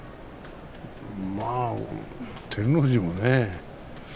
まあ、照ノ富士もね